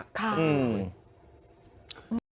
ค่ะ